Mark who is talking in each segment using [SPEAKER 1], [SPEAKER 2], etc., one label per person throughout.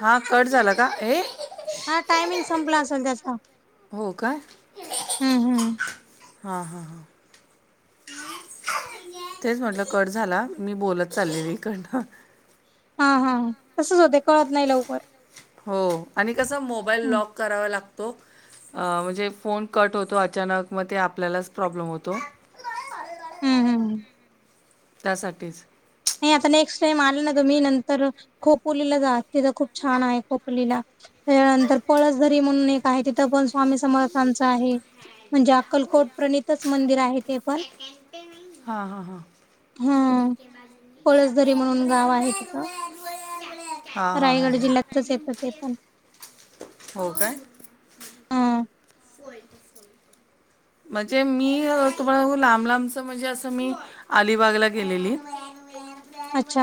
[SPEAKER 1] हा कट झाला का हे.
[SPEAKER 2] हा टायमिंग संपला असेल त्याचा
[SPEAKER 1] हो
[SPEAKER 2] हम्म हम्म.
[SPEAKER 1] हा हा हा. तेच म्हटलं कट झाला मी बोलत चाललेली कडन.
[SPEAKER 2] हा हा तसच होते कळत नाही लवकर
[SPEAKER 1] हो आणि कसं मोबाईल
[SPEAKER 2] हम्म
[SPEAKER 1] लॉक करावा लागतो अ म्हणजे फोन कट होतो अचानक म ते आपल्यालाच प्रॉब्लेम होतो
[SPEAKER 2] हम् हम्
[SPEAKER 1] त्यासाठीच
[SPEAKER 2] नाही आता नेक्स्ट टाइम आला ना त मी नंतर खोपोलीला जात तिथं खूप छान आहे खोपोलीला त्यानंतर पळसधरी म्हणून एक आहे तिथं पण स्वामी समर्थांच आहे म्हणजे अक्कलकोट प्रणितच मंदिर आहे ते पण
[SPEAKER 1] हा हा हां
[SPEAKER 2] हा पळसदरी म्हणून गाव आहे तिथं
[SPEAKER 1] हां हां हां
[SPEAKER 2] रायगड
[SPEAKER 1] हां
[SPEAKER 2] जिल्ह्यातच येतं ते पण
[SPEAKER 1] हो का
[SPEAKER 2] हा
[SPEAKER 1] म्हणजे मी तुम्हाला लांब लांबच म्हणजे असं मी अलिबागला गेलेली
[SPEAKER 2] अच्छा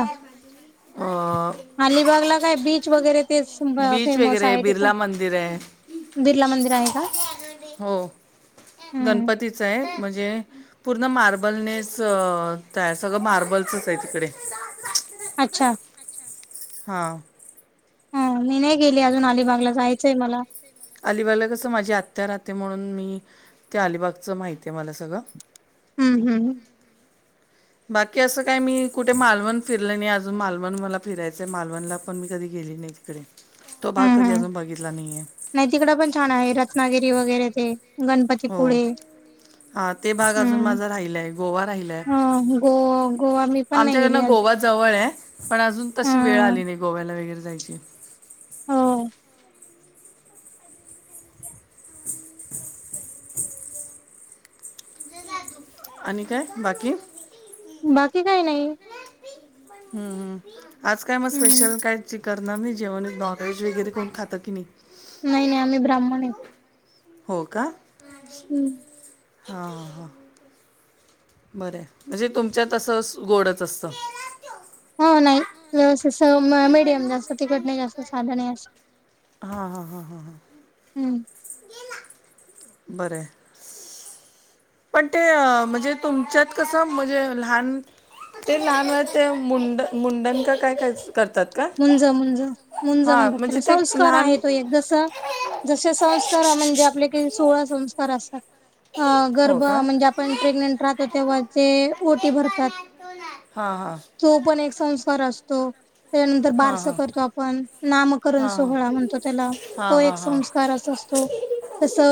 [SPEAKER 1] अ,
[SPEAKER 2] अलिबागला काय बीच वगैरे तेच
[SPEAKER 1] बीच
[SPEAKER 2] फेमस
[SPEAKER 1] वगैरे
[SPEAKER 2] आहे तिथ
[SPEAKER 1] बिर्ला मंदिर आहे
[SPEAKER 2] बिर्ला मंदिर आहे का
[SPEAKER 1] हो
[SPEAKER 2] हम्म
[SPEAKER 1] गणपती आहे म्हणजे पूर्ण मार्बलनेस आहे सगळं मार्बलचच आहे तिकडे
[SPEAKER 2] अच्छा
[SPEAKER 1] हा
[SPEAKER 2] हा मी नाही गेली अजून अलिबागला जायचंय मला
[SPEAKER 1] अलिबागला कसं माझी आत्त्या राहते म्हणून मी त्या अलिबागचं माहती आहे मला सगळं
[SPEAKER 2] हम् हम्म ह
[SPEAKER 1] बाकी असं काय मी कुठे मालवण फिरलं नाही अजून मालवण मला फिरायचंय मालवणला पण मी कधी गेली नाही तो भाग
[SPEAKER 2] हम्म
[SPEAKER 1] कधी
[SPEAKER 2] हम्म
[SPEAKER 1] अजून बघितला नाहीये
[SPEAKER 2] नाही तिकड पण छान आहे रत्नागिरी वगैरे ते गणपतीपुळे
[SPEAKER 1] हा ते भाग अजून
[SPEAKER 2] हम्म.
[SPEAKER 1] माझा राहिलाय गोवा राहिलाय
[SPEAKER 2] ह गो गोवा मी पण नाही
[SPEAKER 1] आमच्याकडन
[SPEAKER 2] गेली अजून.
[SPEAKER 1] गोवा जवळ आहे पण अजून तशी वेळ
[SPEAKER 2] हा
[SPEAKER 1] आली नाही गोव्याला वगैरे जायची
[SPEAKER 2] हम
[SPEAKER 1] आणि काय बाकी
[SPEAKER 2] बाकी काय नाही
[SPEAKER 1] हम्मम् आज काय मग
[SPEAKER 2] हम्म
[SPEAKER 1] स्पेशल काय करणार नाही जेव्हा नॉनव्हेज वगैरे कोण खातं की नाही
[SPEAKER 2] नाही नाही आम्ही ब्राह्मण आहे
[SPEAKER 1] हो का
[SPEAKER 2] हम्म
[SPEAKER 1] हा ह बरं म्हणजे तुमच्यात अससं गोडच असतं
[SPEAKER 2] हो नाही
[SPEAKER 1] नाही
[SPEAKER 2] व्यवस्थित मिीडियम जास्त तिकट नाही जास्त साधन असत
[SPEAKER 1] हां हां हां हां हां
[SPEAKER 2] हम्म
[SPEAKER 1] बरं पण ते म्हणजे तुमच्यात कसं म्हणजे लहान ते लहान वळ ते मुंड मुंडण का काय करतात का
[SPEAKER 2] मुंज मुंज मुंज
[SPEAKER 1] हा
[SPEAKER 2] म्हणतात
[SPEAKER 1] म्हणजे
[SPEAKER 2] त्याला
[SPEAKER 1] ते
[SPEAKER 2] संस्कार
[SPEAKER 1] लहान
[SPEAKER 2] आहे तो एक जस जसे संस्कार म्हणजे आपले का सोळा संस्कार असतात अ
[SPEAKER 1] हो
[SPEAKER 2] गर्भ
[SPEAKER 1] का
[SPEAKER 2] म्हणजे आपण प्रेग्नेंट राहतो तेव्हा जे ओटी भरतात
[SPEAKER 1] हा हा
[SPEAKER 2] तो पण एक संस्कार असतो त्यानंतर
[SPEAKER 1] हा
[SPEAKER 2] बारस करतो आपण नामकरण
[SPEAKER 1] हा हा हा
[SPEAKER 2] सोहळा म्हणतो त्याला
[SPEAKER 1] हा
[SPEAKER 2] तो
[SPEAKER 1] हा
[SPEAKER 2] एक संस्कार अस असतो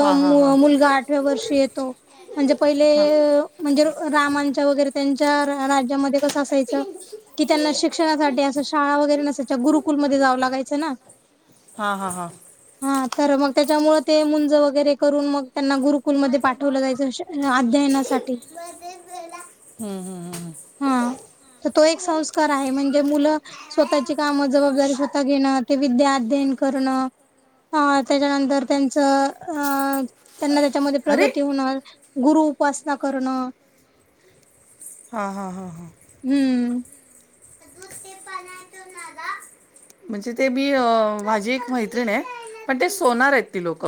[SPEAKER 1] हा हा हा
[SPEAKER 2] मुलगा आठव्या वर्षी येतो म्हणजे पहिले
[SPEAKER 1] हा
[SPEAKER 2] अ म्हणजे रामांच्या वगैरे त्यांच्या राज्यामध्ये - - कसं असायचं? कि त्यांना शिक्षणासाठी - - शाळा वगैरे नसायच्या. गुरुकुलमध्ये जाव लागायचं ना.
[SPEAKER 1] हा हा हा
[SPEAKER 2] हा. तर मग त्याच्यामु ते मुंज वगैरे करून मग - - त्यांना गुरुकुलमध्ये पाठवलं जायचं अध्ययनासाठी.
[SPEAKER 1] हम्म, हम्, हम्, हम.
[SPEAKER 2] हा. तर तो एक संस्कार आहे म्हणजे मुलं - - स्वतःची काम, जबाबदारी स्वतः घेणं ते विद्या अध्ययन करणं. अ त्याच्यानंतर त्यांचं अ त्यांना त्याच्यामध्ये
[SPEAKER 1] अरे
[SPEAKER 2] प्रगती होणार. गुरु उपासना करणं.
[SPEAKER 1] हा, हा, हा, हा.
[SPEAKER 2] हम्म.
[SPEAKER 1] [unintelligible] म्हणजे ते मी माजी एक मैत्रिण हाए पण ते सोनार आहेत ती लोक.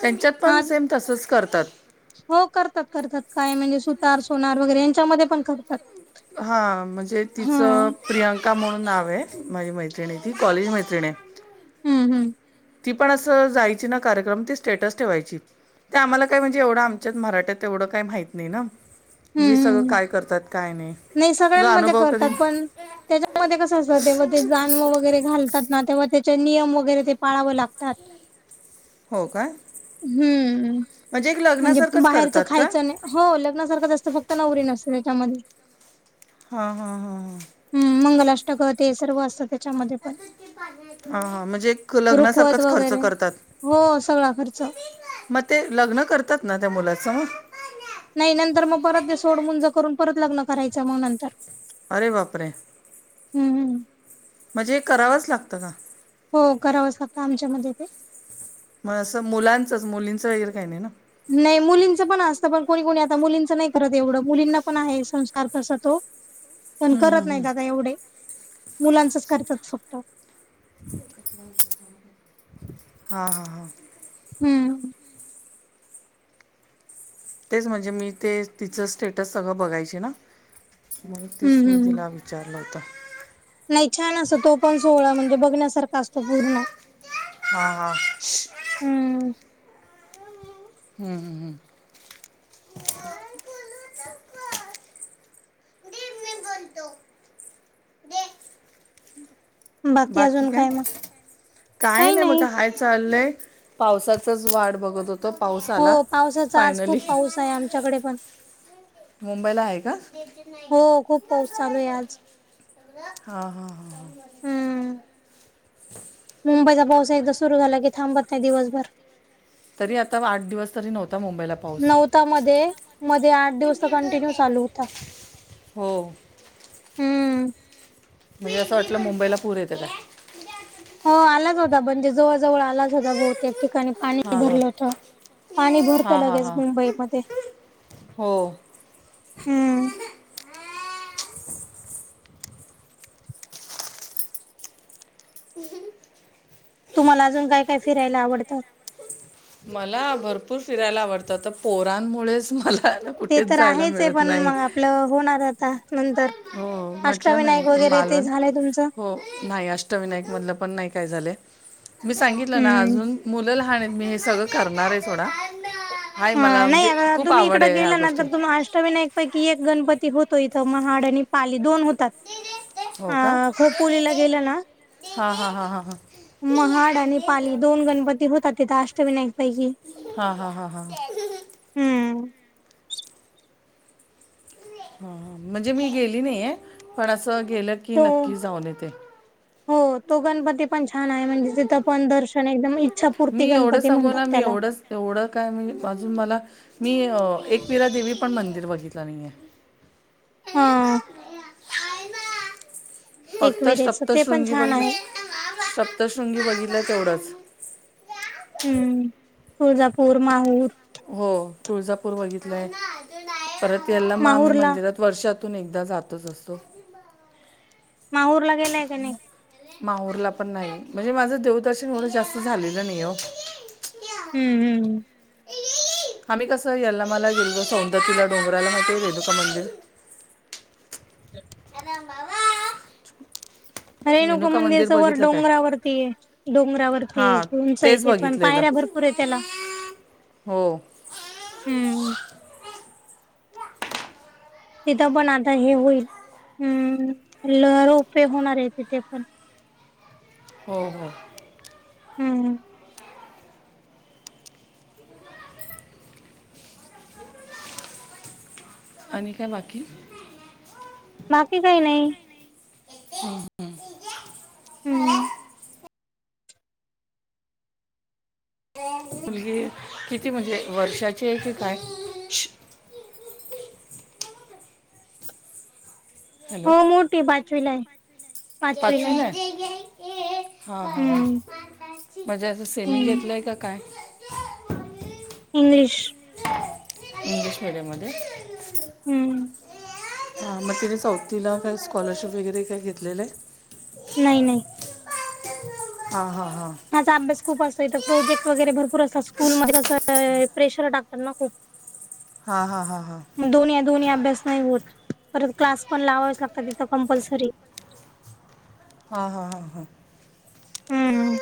[SPEAKER 1] त्यांच्यात
[SPEAKER 2] हा
[SPEAKER 1] पण सेम तसच करतात.
[SPEAKER 2] हो. करतात. करतात. काय म्हणजे सुतार, सोनार वगैरे यांच्यामध्ये पण करतात.
[SPEAKER 1] हा. म्हणजे
[SPEAKER 2] हा
[SPEAKER 1] तिचं - - प्रियांका म्हणून नाव हाए. माझी मैत्रिणी ती कॉलेज मैत्रिणी हायं.
[SPEAKER 2] हम्म. हम्म.
[SPEAKER 1] ती पण असं जायची ना. कार्यक्रम ती स्टेटस ठेवायची. ते आम्हाला काय म्हणजे एवढं आमच्यात मराठ्यात एवढं काही माहित नाही ना. म्हणजे हे
[SPEAKER 2] हम्म
[SPEAKER 1] सगळं
[SPEAKER 2] हम्म
[SPEAKER 1] काय करतात. काय नाही.
[SPEAKER 2] नाही.
[SPEAKER 1] तुझा
[SPEAKER 2] सगळ्यांमध्ये
[SPEAKER 1] अनुभव
[SPEAKER 2] करतात.
[SPEAKER 1] कधी
[SPEAKER 2] पण तेज्या मध्ये कसं असतं. तेव्हा ते जाणव वगैरे घालतात ना तेव्हा त्याचे नियम वगैरे ते पाळावं लागतात.
[SPEAKER 1] हो का?
[SPEAKER 2] हम्म. म्हणजे बाहेरचं
[SPEAKER 1] करतात का
[SPEAKER 2] खायचं नाही. हो लग्नासारखं जास्त फक्त नवरी नसते त्याच्यामध्ये.
[SPEAKER 1] हा. हा. हा. हा.
[SPEAKER 2] हम्म. मंगल अष्टक ते सर्व असत.
[SPEAKER 1] हा. हा. म्हणजे एक
[SPEAKER 2] रुखवत
[SPEAKER 1] लग्नासारखंच खर्च
[SPEAKER 2] वगैरे
[SPEAKER 1] करतात.
[SPEAKER 2] हो. सगळा खर्च.
[SPEAKER 1] मग ते लग्न करतात ना? त्या मुलाचं मग.
[SPEAKER 2] नाही. नंतर मग परत ते सोड मंज करून परत लग्न करायचं मग नंतर.
[SPEAKER 1] अरे बापरे!
[SPEAKER 2] हम्म. हम्म.
[SPEAKER 1] म्हणजे एक करावंच लागतं का?
[SPEAKER 2] हो. करावच लागतं. आमच्यामध्ये ते.
[SPEAKER 1] मग असं मुलांचंच मुलींचं वगैरे काही नाही ना.
[SPEAKER 2] नाही. मुलींचं पण असतं पण कोणी कोणी आता मुलींचं नाही करत एवढं. मुलींना पण आहे संस्कार तस तो. पण
[SPEAKER 1] हम्म,
[SPEAKER 2] करत
[SPEAKER 1] हम्म,
[SPEAKER 2] नाही
[SPEAKER 1] हम्म.
[SPEAKER 2] आता एवढे. मुलांचच करतात फक्त.
[SPEAKER 1] हा. हा. हा.
[SPEAKER 2] हम्म.
[SPEAKER 1] तेच म्हणजे मी ते तिचं स्टेटस सगळं बघायचे ना. [unintelligible] तेच
[SPEAKER 2] हम्म
[SPEAKER 1] मी
[SPEAKER 2] हम्म.
[SPEAKER 1] तिला विचारलं होत.
[SPEAKER 2] नाही छान अस तो पण सोहळा म्हणजे बघण्यासारखा असतो पूर्ण.
[SPEAKER 1] हा. हा.
[SPEAKER 2] हम्म
[SPEAKER 1] हम्म. हम्. हम्म. बाकी काय? काय नाही बगा. हाय चाललंय. पावसाचाच वाट बघत होतो. पाऊस
[SPEAKER 2] हो
[SPEAKER 1] आला
[SPEAKER 2] पावसाचा आज
[SPEAKER 1] फायनली.
[SPEAKER 2] [unintelligible] आमच्याकडे पण.
[SPEAKER 1] मुंबईला आहे का?
[SPEAKER 2] हो खूप पाऊस चालू आहे आज
[SPEAKER 1] हा हा हा हा.
[SPEAKER 2] हम्म मुंबईचा पाऊस एकदा सुरू झाला की थांबत नाही दिवसभर
[SPEAKER 1] [unintelligible] आठ दिवस तरी नव्हता मुंबईला पाऊस
[SPEAKER 2] नवता मध्ये मध्ये आठ दिवस कंटिन्यू चालू. कठ.
[SPEAKER 1] हो.
[SPEAKER 2] हम्म.
[SPEAKER 1] म्हणजे असं वाटलं मुंबईला पूर येतोय काय?
[SPEAKER 2] हो आलाच होता म्हणजे जवळ जवळ आलाच होता बहुतेक ठिकाणी पाणी
[SPEAKER 1] हां हां
[SPEAKER 2] भरलं होत पाणी भरत
[SPEAKER 1] हां हां
[SPEAKER 2] लगेच
[SPEAKER 1] हां
[SPEAKER 2] मुंबईमध्ये
[SPEAKER 1] हो
[SPEAKER 2] हम्म तुम्हाला अजून काय काय फिरायला आवडतं.
[SPEAKER 1] मला भरपूर फिरायला आवडतं तर पोरांमुळेच मला
[SPEAKER 2] ते
[SPEAKER 1] कुठेच
[SPEAKER 2] तर
[SPEAKER 1] जायला
[SPEAKER 2] आहेच आहे
[SPEAKER 1] मिळत
[SPEAKER 2] पण मग
[SPEAKER 1] नाही
[SPEAKER 2] आपलं होणार आता नंतर
[SPEAKER 1] हो म्हटलं ना
[SPEAKER 2] अष्टविनायक वगैरे ते
[SPEAKER 1] मालवण
[SPEAKER 2] झालंय तुमचं?
[SPEAKER 1] हो नाही अ अस. अष्टविनायक मधल पण नाही काय झाल मी सांगितलं ना
[SPEAKER 2] हम्म
[SPEAKER 1] मूल लहान आहेत. करणार आहे थोडा
[SPEAKER 2] हा नाही आता तुम्ही इकडे गेला ना
[SPEAKER 1] गोष्टी
[SPEAKER 2] तर तुम्हा अष्टवि नाही. पैकी एक गणपती होतो इथं महाड आणि पाली दोन होतात.
[SPEAKER 1] हो का
[SPEAKER 2] अ खोपोलीला गेला ना
[SPEAKER 1] हा हा हा हा हां.
[SPEAKER 2] महाड आणि पाली दोन गणपती होतात तथ अष्टविनायक पैकी
[SPEAKER 1] हा हा हा हा.
[SPEAKER 2] हम्म
[SPEAKER 1] हा म्हणजे मी गेली नाही आहे पण असं गेलं की
[SPEAKER 2] तो
[SPEAKER 1] नक्की जाऊन येते.
[SPEAKER 2] हो तो गणपती पण छान आहे म्हणजे तिथं पण दर्शन एकदम छापूर्ती गणपती म्हणतात त्याला
[SPEAKER 1] तेवढं काय म्हणजे अजून मला मी एकविरा देवी पण मंदिर बघितलं नाही आहे.
[SPEAKER 2] हा.
[SPEAKER 1] फक्त
[SPEAKER 2] एकविरेच ते पण
[SPEAKER 1] सप्तशृंगी ब
[SPEAKER 2] छान आहे
[SPEAKER 1] सप्तशृंगी बघितलं तेवढंच.
[SPEAKER 2] हम्म तुळजापूर माहूर
[SPEAKER 1] हो तुळजापूर बघितलंय परत याला मग आम्ही
[SPEAKER 2] माहूरला
[SPEAKER 1] मंदिरात वर्षातून एकदा जातच असतो.
[SPEAKER 2] माहूर ला गेलाय का नाही.
[SPEAKER 1] माहूरला पण नाही म्हणजे माझं देवदर्शन एवढं जास्त झालेलं नाही हो.
[SPEAKER 2] हम्म हम्म.
[SPEAKER 1] आम्ही कसं याल्लमा मला गेलो सौंदतीला डोंगराला माहिती रेणुका मंदिर आराम बाबा.
[SPEAKER 2] रेणुका मंदिरच वर
[SPEAKER 1] बघितलं काय
[SPEAKER 2] डोंगरावरती आहे डोंगरावरती
[SPEAKER 1] हां
[SPEAKER 2] उंच
[SPEAKER 1] तेच
[SPEAKER 2] येते पण
[SPEAKER 1] बघितलेलं
[SPEAKER 2] पायऱ्या भरपूर आहे त्याला
[SPEAKER 1] हो.
[SPEAKER 2] हम्म. तिथं पण आता हे होईल अम् ल रोपे होणार आहे तिथे पण
[SPEAKER 1] हो हो.
[SPEAKER 2] हम्म.
[SPEAKER 1] आणि काय बाकी
[SPEAKER 2] माफी काही नाही.
[SPEAKER 1] हा. हम.
[SPEAKER 2] हम्म.
[SPEAKER 1] मुलगी किती म्हणजे वर्षाची आहे की काय?
[SPEAKER 2] हो मोठी पाचवी ला आहे पाचवीला
[SPEAKER 1] पाचवी
[SPEAKER 2] आहे
[SPEAKER 1] ना हा हा
[SPEAKER 2] हम्म
[SPEAKER 1] मज्याचं सेमी
[SPEAKER 2] हम्म
[SPEAKER 1] घेतलंय का काय
[SPEAKER 2] इंग्लिश
[SPEAKER 1] इंग्लिश मीडियम मध्ये
[SPEAKER 2] इंग्लिश
[SPEAKER 1] हा मग तिने चौथला काय स्कॉलरशिप वगैरे काय घेतलेलं आहे
[SPEAKER 2] नाही नाही
[SPEAKER 1] हा हा हा
[SPEAKER 2] हचा अभ्यास खूप असतो इथं प्रोजेक्ट वगैरे भरपूर असतात स्कूल मध्ये कसं प्रेशर टाकतात ना खूप
[SPEAKER 1] हा हा हा हा
[SPEAKER 2] ग दोन या दोन्ही अभ्यास नाही होत परत क्लास पण लावावेच लागतात तिथं कंपल्सरी
[SPEAKER 1] हा हां हां हां
[SPEAKER 2] हम्म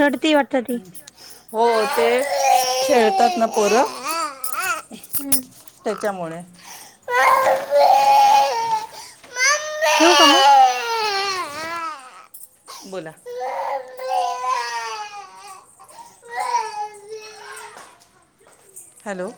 [SPEAKER 2] रडती वाट
[SPEAKER 1] हो ते खेळतात ना पोरं
[SPEAKER 2] हम्म
[SPEAKER 1] त्याच्यामुळे
[SPEAKER 2] ठेव का मग
[SPEAKER 1] बोला हॅलो